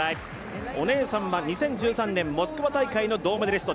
お姉さんは２０１３年モスクワ大会の銅メダリスト。